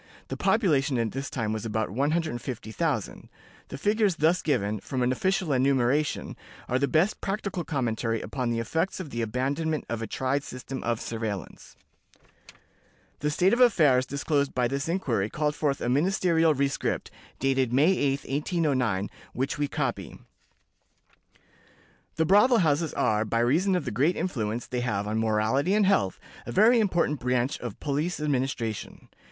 The population at this time was about 150,000. The figures thus given, from an official enumeration, are the best practical commentary upon the effects of the abandonment of a tried system of surveillance. The state of affairs disclosed by this inquiry called forth a ministerial rescript, dated May 8, 1809, which we copy: "The brothel houses are, by reason of the great influence they have on morality and health, a very important branch of police administration.